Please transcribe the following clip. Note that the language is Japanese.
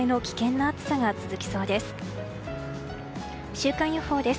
週間予報です。